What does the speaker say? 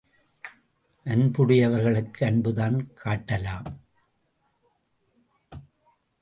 அன்புடையவர்களுக்கு அன்புதான் காட்டலாம்.